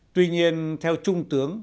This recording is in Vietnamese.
tuy nhiên theo trung tướng